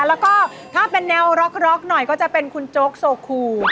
แล้วก็ถ้าเป็นแนวร็อกหน่อยก็จะเป็นคุณโจ๊กโซคู